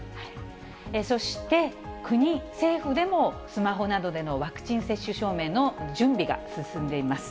そして、国、政府でもスマホなどでのワクチン接種証明の準備が進んでいます。